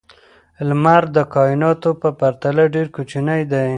لمر د کائناتو په پرتله ډېر کوچنی دی.